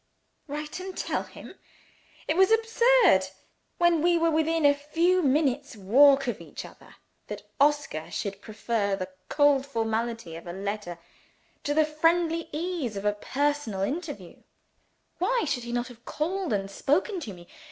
"OSCAR." Write and tell him? It was absurd enough when we were within a few minutes' walk of each other that Oscar should prefer the cold formality of a letter, to the friendly ease of a personal interview. Why could he not have called, and spoken to me?